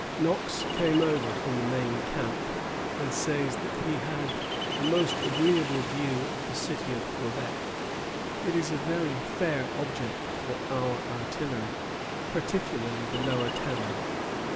Knox came over from the main camp, and says that he had "a most agreeable view of the city of Quebec. It is a very fair object for our artillery, particularly the lower town."